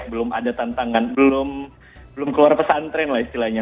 belum ada tantangan belum keluar pesantren lah istilahnya